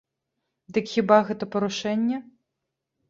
Дык хіба гэта парушэнне?